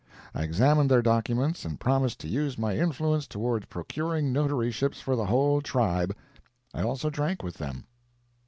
I examined their documents, and promised to use my influence toward procuring notaryships for the whole tribe. I also drank with them.